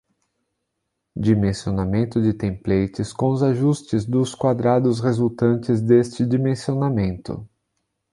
Dimensionamento de templates, com os ajustes dos quadrados resultantes deste dimensionamento.